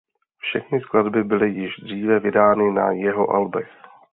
Všechny skladby byly již dříve vydány na jeho albech.